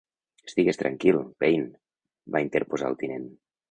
"Estigues tranquil, Payne", va interposar el tinent.